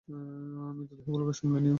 মৃতদেহগুলো সামলে নিও।